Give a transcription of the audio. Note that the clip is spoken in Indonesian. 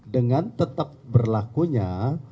dengan tetap berlakunya